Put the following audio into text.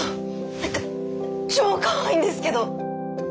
なんか超かわいいんですけど。